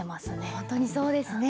本当にそうですね。